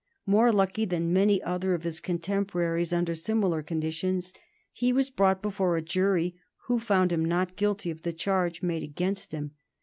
More lucky than many other of his contemporaries under similar conditions, he was brought before a jury who found him not guilty of the charge made against him.